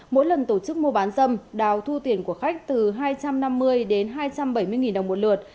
mỗi lần tổ chức mua bán dâm đào thu tiền của khách từ hai trăm năm mươi đến hai trăm bảy mươi đồng một lượt